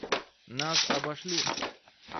Нас обошли!